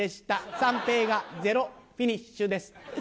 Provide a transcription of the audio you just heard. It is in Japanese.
「三平がゼロフィニッシュです」。